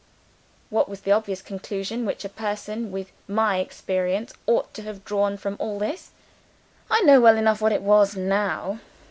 What was the obvious conclusion which a person with my experience ought to have drawn from all this? I know well enough what it was, now.